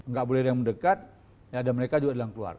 nggak boleh ada yang mendekat ada mereka juga ada yang keluar